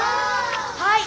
はい！